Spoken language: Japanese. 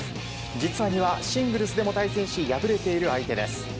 実は丹羽、シングルスでも対戦し敗れている相手です。